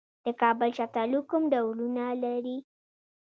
د کابل شفتالو کوم ډولونه لري؟